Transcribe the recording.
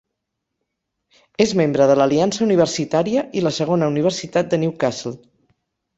És membre de l'Aliança Universitària i la segona universitat de Newcastle.